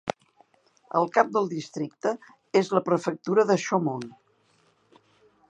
El cap del districte és la prefectura de Chaumont.